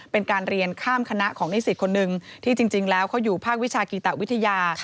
เป็นการเรียนข้ามคณะของนิสิตคนหนึ่งที่จริงแล้วเขาอยู่ภาควิชากีตะวิทยา